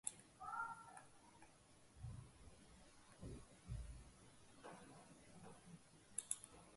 Knibina degunu, sakrustoja rokas uz kuplajām, spalvainajām krūtīm.